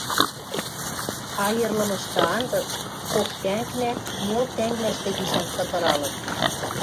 Айырлымышты анзыц кок тӓнгнӓ мол тӓнгвлӓштӹ гишӓн хытыралыт.